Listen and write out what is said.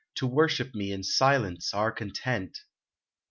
To worship me in silence are content